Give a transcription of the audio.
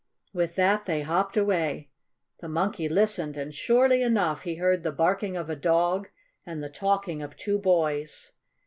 With that they hopped away. The Monkey listened, and, surely enough, he heard the barking of a dog and the talking of two boys.